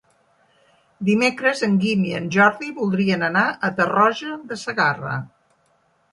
Dimecres en Guim i en Jordi voldrien anar a Tarroja de Segarra.